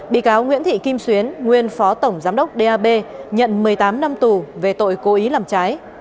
bị cáo nguyễn thị kim xuyến nguyên phó tổng giám đốc dap nhận một mươi tám năm tù về tội cố ý làm trái